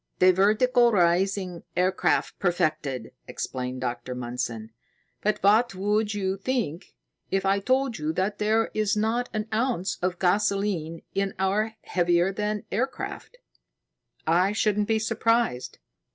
"The vertical rising aircraft perfected," explained Dr. Mundson. "But what would you think if I told you that there is not an ounce of gasoline in my heavier than air craft?" "I shouldn't be surprised.